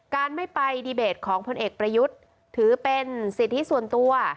การไม่ไปดีเบตของพลเอกประยุทธ์ถือเป็นสิทธิส่วนตัว